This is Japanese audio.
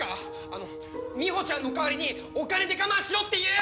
あのみほちゃんの代わりにお金で我慢しろっていう！